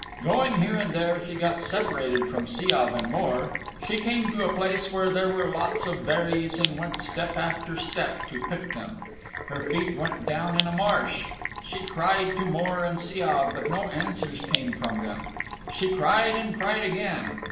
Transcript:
Going here and there she got separated from Siav and Mor. She came to a place where there were lots of berries and went step after step to pick them. Her feet went down in a marsh. She cried to Mor and Siav, but no answers came from them. She cried and cried again.